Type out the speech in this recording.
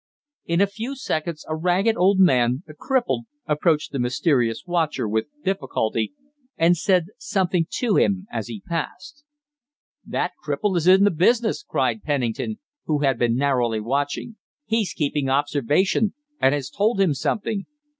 In a few seconds a ragged old man, a cripple, approached the mysterious watcher with difficulty, and said something to him as he passed. "That cripple is in the business!" cried Pennington, who had been narrowly watching. "He's keeping observation, and has told him something.